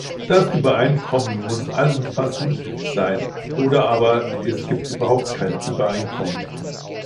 Das Übereinkommen muss allumfassend sein, oder aber es gibt überhaupt kein Übereinkommen.